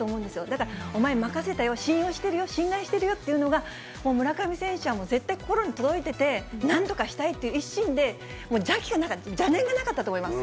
だから、お前任せたよ、信用してるよ、信頼してるよというのが、もう村上選手は絶対心に届いてて、なんとかしたいっていう一心で、もう邪念がなかったと思います。